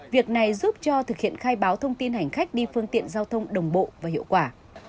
việc này giúp cho thực hiện khai báo thông tin hành khách đi phương tiện giao thông đồng bộ và hiệu quả